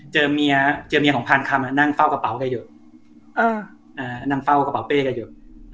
เจอเมียของพานคำนั่งเฝ้ากระเป๋ากันอยู่